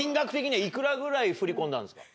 ぐらい振り込んだんですか？